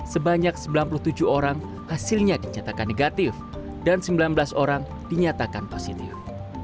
sebanyak sembilan puluh tujuh orang hasilnya dinyatakan negatif dan sembilan belas orang dinyatakan positif